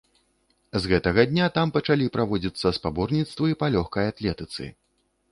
З гэтага дня там пачалі праводзіцца спаборніцтвы па лёгкай атлетыцы.